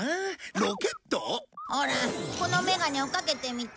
ほらこのメガネをかけてみて。